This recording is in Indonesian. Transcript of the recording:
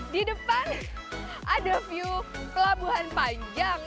di depan ada view pelabuhan panjang